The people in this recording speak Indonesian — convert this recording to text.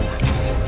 selamat ulang tahun